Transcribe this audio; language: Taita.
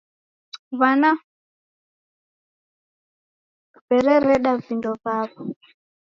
W'ana w'erereda vindo vaw'o.